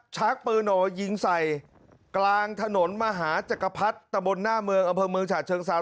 ชักปืนออกมายิงใส่กลางถนนมหาจักรพรรดิตะบนหน้าเมืองอำเภอเมืองฉะเชิงเซา